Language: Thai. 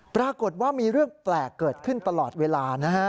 ปรากฏว่ามีเรื่องแปลกเกิดขึ้นตลอดเวลานะฮะ